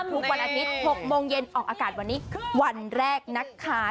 ทุกวันอาทิตย์๖โมงเย็นออกอากาศวันนี้วันแรกนะคะ